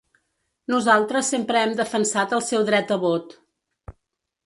Nosaltres sempre hem defensat el seu dret a vot.